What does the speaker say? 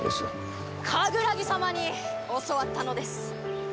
カグラギ様に教わったのです。